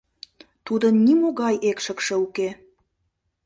Тудын нимогай экшыкше уке.